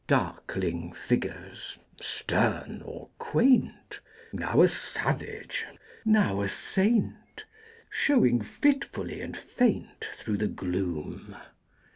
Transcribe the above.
Darkling figures, stern or quaint, Now a savage, now a saint, Showing fitfully and faint Through the gloom.